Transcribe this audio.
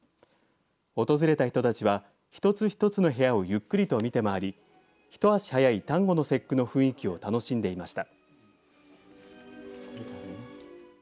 訪れた人たちは一つ一つの部屋をゆっくり見て回り一足早い端午の節句の雰囲気を楽しんでいました。